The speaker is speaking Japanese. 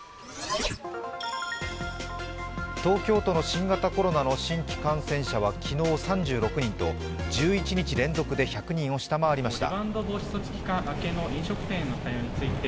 東京都の新型コロナの新規感染者は昨日３６人と、１１日連続で１００人を下回りました。